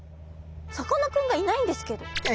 さかなクンがいないんですけど。